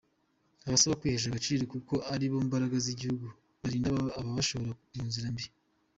Abasaba Kwihesha agaciro kuko aribo mbaraga z’igihugu, birinda ababashora mu nzira mbi.